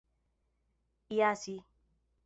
lasi